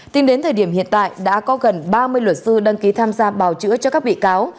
tính đến thời điểm hiện tại đã có gần ba mươi luật sư đăng ký tham gia bào chữa cho các bị cáo